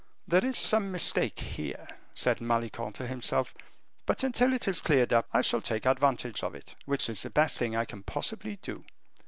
"There is some mistake here," said Malicorne to himself; "but until it is cleared up, I shall take advantage of it, which is the best thing I can possibly do."